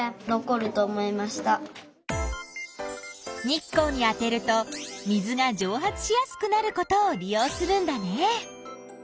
日光に当てると水がじょう発しやすくなることを利用するんだね。